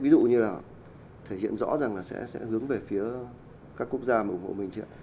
ví dụ như là thể hiện rõ rằng là sẽ hướng về phía các quốc gia mà ủng hộ mình chưa ạ